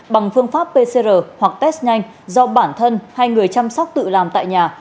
bằng phương pháp pcr hoặc test nhanh do bản thân hay người chăm sóc tự làm tại nhà